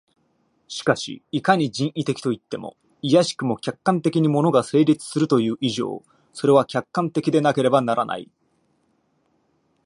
しかしいかに人為的といっても、いやしくも客観的に物が成立するという以上、それは客観的でなければならない。